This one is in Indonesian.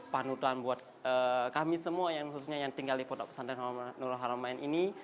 panutan buat kami semua yang khususnya yang tinggal di pondok pesantren nurul haramain ini